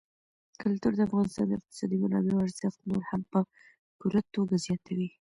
کلتور د افغانستان د اقتصادي منابعو ارزښت نور هم په پوره توګه زیاتوي.